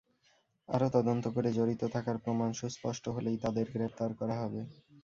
আরও তদন্ত করে জড়িত থাকার প্রমাণ সুস্পষ্ট হলেই তাঁদের গ্রেপ্তার করা হবে।